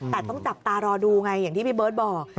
แต่ต้องจับตารอดูไงอย่างที่พี่เบิร์ตบอก